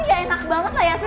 enggak enak banget lah yasmin